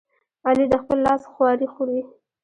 علي د خپل لاس خواري خوري.